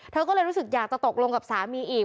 เธอก็เลยรู้สึกอยากจะตกลงกับสามีอีก